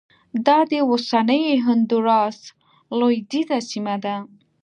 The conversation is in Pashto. دا د اوسني هندوراس لوېدیځه سیمه ده